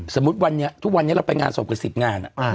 สมมุติวันนี้ทุกวันนี้เราไปงานศพกัน๑๐งาน